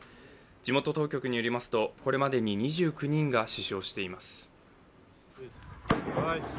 地元当局によりますと、これまでに２９人が死傷しています。